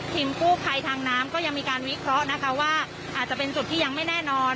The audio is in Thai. กู้ภัยทางน้ำก็ยังมีการวิเคราะห์นะคะว่าอาจจะเป็นจุดที่ยังไม่แน่นอน